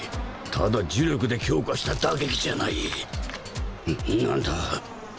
ただ呪力で強化した打撃じゃない。